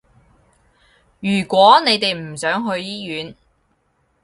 如果你哋唔想去醫院